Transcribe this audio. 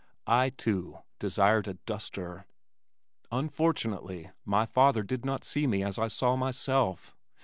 I, too, desired a duster. Unfortunately my father did not see me as I saw myself.